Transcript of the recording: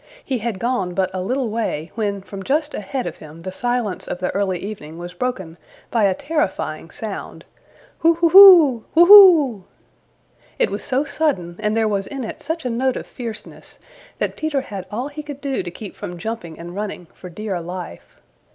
He had gone but a little way when from just ahead of him the silence of the early evening was broken by a terrifying sound "Whooo hoo hoo, whooo hoo!" It was so sudden and there was in it such a note of fierceness that Peter had all he could do to keep from jumping and running for dear life.